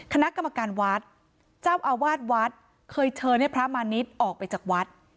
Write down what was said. คณะกรรมการวัดเจ้าอาวาสวัดเคยเชิญให้พระมาณิชย์ออกไปจากวัด